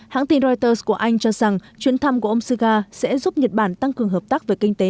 hãng tin reuters của anh cho rằng chuyến thăm của ông suga sẽ giúp nhật bản tăng cường hợp tác về kinh tế